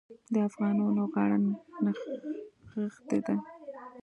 د افغانانو غاړه نښتې ده.